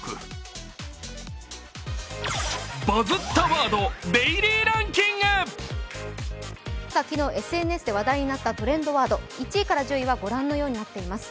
町は昨日、ＳＮＳで話題になったトレンドワード１位から１０位はご覧のようになっています。